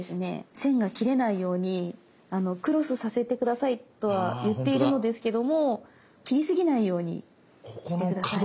線が切れないようにクロスさせて下さいとは言っているのですけども切り過ぎないようにして下さい。